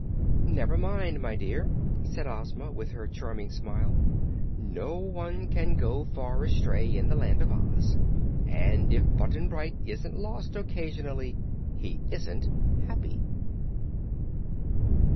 "Never mind, my dear," said Ozma, with her charming smile, "no one can go far astray in the Land of Oz, and if Button Bright isn't lost occasionally, he isn't happy."